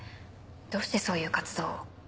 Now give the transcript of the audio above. どうしてそういう活動を？